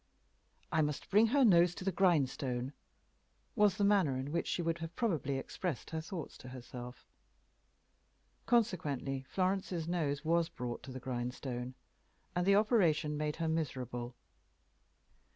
"I must bring her nose to the grindstone," was the manner in which she would have probably expressed her thoughts to herself. Consequently Florence's nose was brought to the grindstone, and the operation made her miserable.